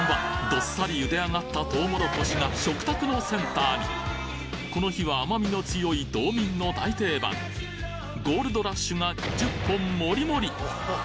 どっさり茹で上がったとうもろこしが食卓のセンターにこの日は甘みの強い道民の大定番ゴールドラッシュが１０本もりもり！